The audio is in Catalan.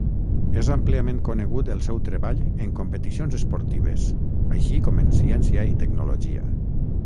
És àmpliament conegut el seu treball en competicions esportives així com en ciència i tecnologia.